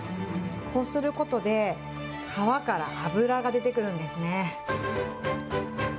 こうすることで、皮から脂が出てくるんですね。